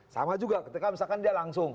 sama juga ketika misalkan dia langsung